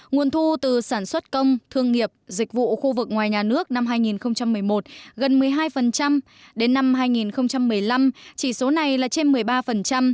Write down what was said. nguồn thu từ sản xuất công thương nghiệp dịch vụ khu vực ngoài nhà nước năm hai nghìn một mươi một gần một mươi hai đến năm hai nghìn một mươi năm chỉ số này là trên một mươi ba